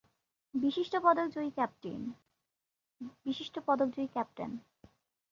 বিশিষ্ট পদকজয়ী ক্যাপ্টেন।